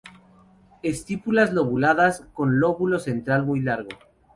Estípulas lobuladas, con lóbulo central muy largo.